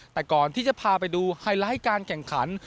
แต่ก่อนที่จะพาไปดูไฮไลท์การแข่งขัน